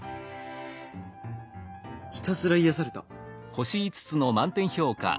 「ひたすら癒された！」。